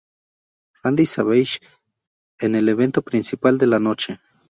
Randy Savage en el evento principal de la noche.